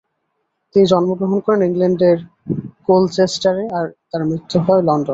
তিনি জন্মগ্রহণ করেন ইংল্যান্ডের কোলচেস্টারে, আর তার মৃত্যু হয় লন্ডনে।